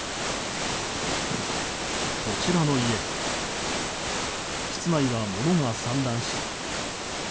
こちらの家室内は物が散乱し